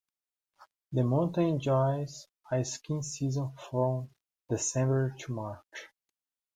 The mountain enjoys a skiing season from December to March.